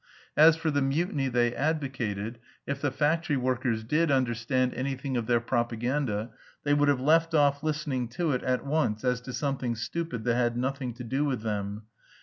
As for the mutiny they advocated, if the factory workers did understand anything of their propaganda, they would have left off listening to it at once as to something stupid that had nothing to do with them.